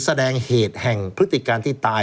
แสดงเหตุแห่งพฤติการที่ตาย